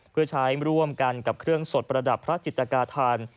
เพื่อใช้ร่วมกันกับเครื่องสดประดับพระจิตกาธาน